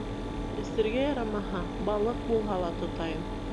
Эсергә ярамаһа, балыҡ булһа ла тотайым.